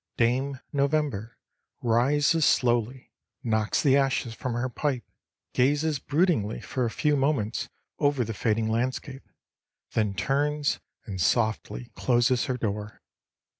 Dame November rises slowly, knocks the ashes from her pipe, gazes broodingly for a few moments over the fading landscape, then turns and softly closes her door.